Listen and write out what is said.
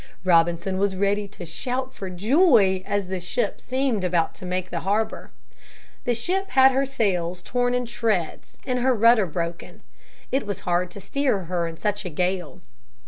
Robinson was ready to shout for joy as the ship seemed about to make the harbor. The ship had her sails torn in shreds and her rudder broken. It was hard to steer her in such a gale.